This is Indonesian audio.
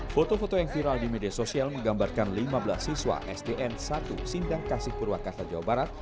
foto foto yang viral di media sosial menggambarkan lima belas siswa sdn satu sindang kasih purwakarta jawa barat